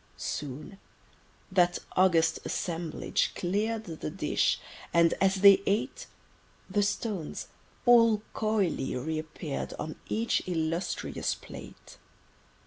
Soon that august assemblage clear'd The dish; and—as they ate— The stones, all coyly, re appear'd On each illustrious plate.